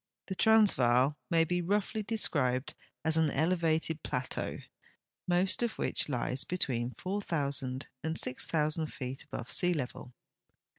The Transvaal may be roughly described as an elevated plateau, most of which lies between 4,000 and 6,000 feet al)ove sea level.